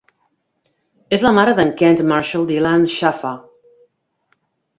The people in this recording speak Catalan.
És la mare d'en Kent Marshall Dylan Schaffer.